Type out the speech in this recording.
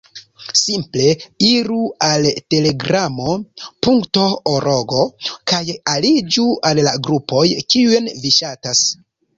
Simple iru al telegramo.org kaj aliĝu al la grupoj, kiujn vi ŝatas.